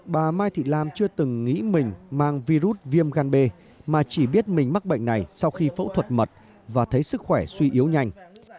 bà mai thị lam chưa từng nghĩ mình mang virus viêm gan b mà chỉ biết mình mắc bệnh này sau khi phẫu thuật mật và thấy sức khỏe suy yếu nhanh